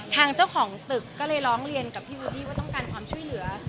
ทางเจ้าของตึกก็เลยร้องเรียนกับพี่วูดี้ว่าต้องการความช่วยเหลือ